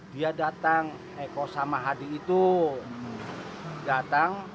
dia datang eko sama hadi itu datang